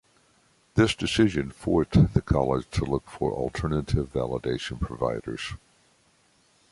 This decision forced the college to look for alternative validation providers.